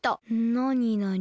なになに？